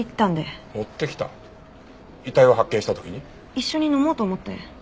一緒に飲もうと思って。